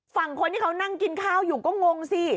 ฝั่งคนที่เขานั่งกินข้าวอยู่ก็งงสิ